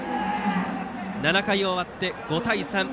７回終わって、５対３。